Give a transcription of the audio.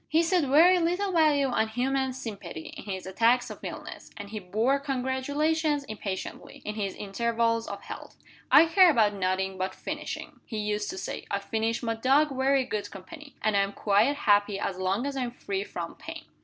He set very little value on human sympathy, in his attacks of illness; and he bore congratulations impatiently, in his intervals of health. "I care about nothing but fishing," he used to say. "I find my dog very good company. And I am quite happy as long as I am free from pain."